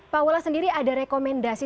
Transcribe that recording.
pak wala sendiri ada rekomendasi